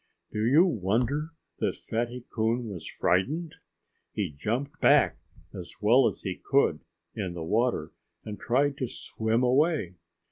Do you wonder that Fatty Coon was frightened? He jumped back as well as he could, in the water and tried to swim away.